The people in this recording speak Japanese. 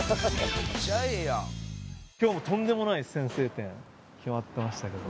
今日もとんでもない先制点決まってましたけど。